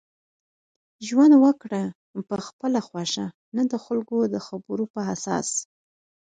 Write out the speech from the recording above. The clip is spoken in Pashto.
ژوند وکړه په خپله خوښه نه دخلکو دخبرو په اساس